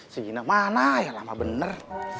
seginap mana ya lama bener